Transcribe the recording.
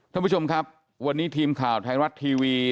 ท่านผู้ชมครับวันนี้ทีมข่าวไทยรัฐทีวี